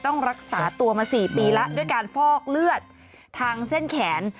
ต้องรักษาตัวมา๔ปีแล้วด้วยการฟอกเลือดทางเส้นแขน